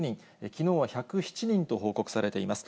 きのうは１０７人と報告されています。